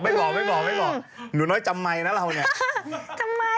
ทำไมบ้างพวกมันอะไรกันก็อยากรู้อย่างไร